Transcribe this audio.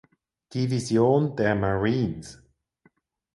Division der Marines.